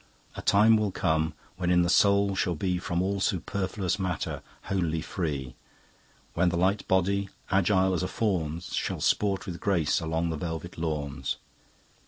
A time will come, wherein the soul shall be From all superfluous matter wholly free; When the light body, agile as a fawn's, Shall sport with grace along the velvet lawns.